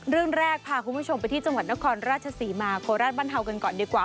เรื่องแรกพาคุณผู้ชมไปที่จังหวัดนครราชศรีมาโคราชบ้านเทากันก่อนดีกว่า